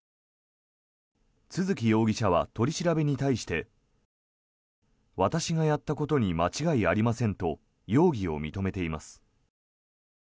都築容疑者は、取り調べに対して私がやったことに間違いありませんと容疑を認めています。